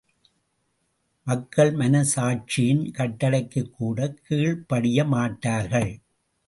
மக்கள் மன சாட்சியின் கட்டளைக்குக்கூட கீழ் படிய மாட்டார்கள்.